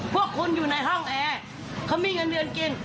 พวกคุณอยู่ในห้องแอร์เขามีเงินเดือนกิน